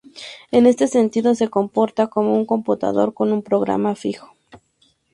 En ese sentido se comporta como un computador con un programa fijo.